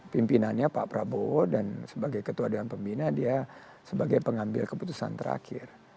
pimpinannya pak prabowo dan sebagai ketua dewan pembina dia sebagai pengambil keputusan terakhir